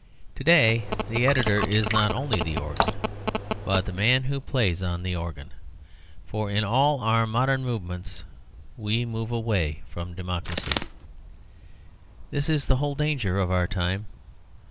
To day the editor is not only the organ, but the man who plays on the organ. For in all our modern movements we move away from Democracy. This is the whole danger of our time.